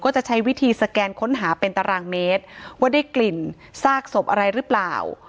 จะใช้วิธีสแกนค้นหาเป็นตารางเมตรว่าได้กลิ่นซากศพอะไรหรือเปล่า